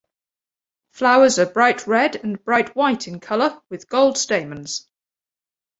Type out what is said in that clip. Flowers are bright red and bright white in color with gold stamens.